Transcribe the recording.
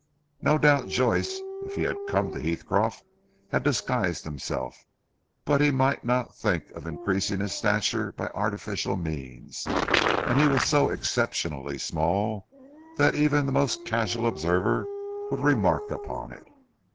No doubt Joyce, if he had come to Heathcroft, had disguised himself, but he might not think of increasing his stature by artificial means, and he was so exceptionally small that even the most casual observer would remark upon it.